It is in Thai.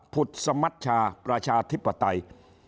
ุดสมัชชาประชาธิปไตย